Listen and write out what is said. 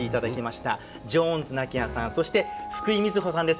ジョーンズ菜希亜さんそして福井瑞穂さんです。